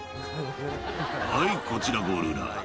「はいこちらゴールライン」